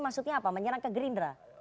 maksudnya apa menyerang ke gerindra